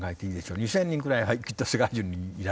２，０００人くらいきっと世界中にいられると思います。